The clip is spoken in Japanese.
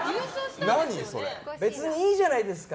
別にいいじゃないですか。